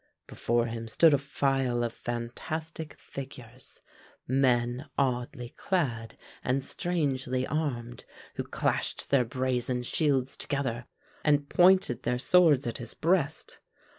Before him stood a file of fantastic figures, men oddly clad and strangely armed, who clashed their brazen shields together and pointed their swords at his breast.